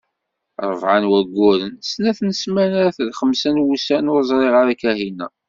Rebɛa n wayyuren, snat n smanat d xemsa n wussan ur ẓriɣ ara Kahina.